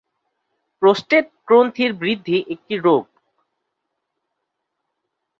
Prostate গ্রন্থির বৃদ্ধি একটি রোগ।